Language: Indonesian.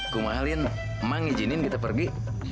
kumalin emang ngijinin kita pergi